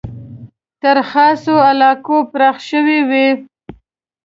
تر خاصو علاقو پراخ شوی وي.